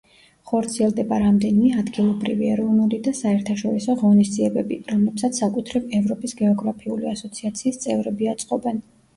ხორციელდება რამდენიმე ადგილობრივი, ეროვნული და საერთაშორისო ღონისძიებები, რომლებსაც საკუთრივ ევროპის გეოგრაფიული ასოციაციის წევრები აწყობენ.